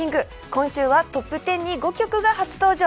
今週はトップ１０に５曲が初登場。